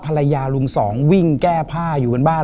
ลุงสองวิ่งแก้ผ้าอยู่บนบ้าน